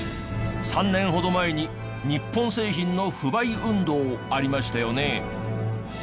３年ほど前に日本製品の不買運動ありましたよね？